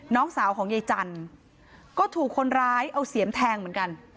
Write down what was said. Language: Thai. น้องสาวของยายจันทร์ก็ถูกคนร้ายเอาเสียมแทงเหมือนกัน